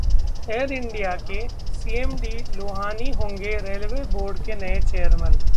air India के CMD Lohani होंगे railway board के नए चेयरमैन